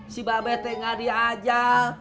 si bapak bete gak diajal